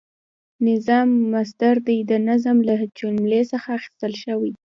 نظام مصدر دی د نظم له کلمی څخه اخیستل شوی،